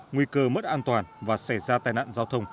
nguy cơ mất an toàn và xảy ra tai nạn giao thông